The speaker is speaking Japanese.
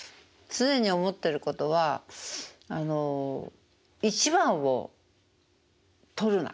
常に思ってることはあの「一番を取るな」。